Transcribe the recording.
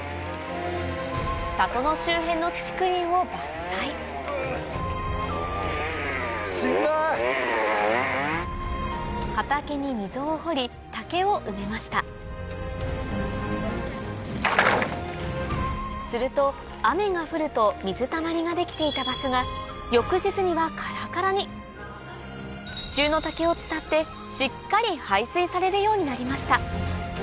里の周辺の竹林を伐採畑に溝を掘り竹を埋めましたすると雨が降ると水たまりができていた場所が地中の竹を伝ってしっかり排水されるようになりました